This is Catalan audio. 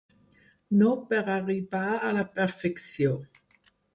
No per arribar a la perfecció.